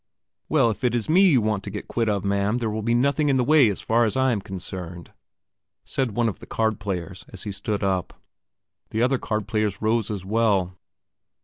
"Well, if it is me you want to get quit of, ma'am, there will be nothing in the way as far as I am concerned," said one of the card players as he stood up. The other card players rose as well.